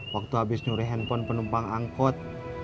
waktu habis nyuri handphone penumpang angkot